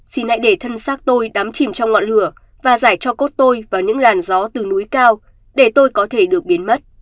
xin lại để thân xác tôi đắm chìm trong ngọn lửa và giải cho cốt tôi vào những làn gió từ núi cao để tôi có thể được biến mất